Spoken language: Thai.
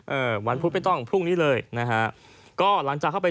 วันพุธไม่ต้องพรุ่งนี้เลยนะฮะก็หลังจากเข้าไป